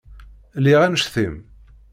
Lliɣ annect-im.